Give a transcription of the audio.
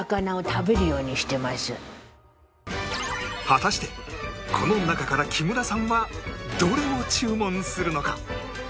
果たしてこの中から木村さんはどれを注文するのか？